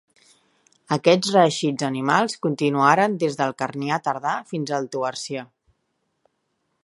Aquests reeixits animals continuaren des del Carnià tardà fins al Toarcià.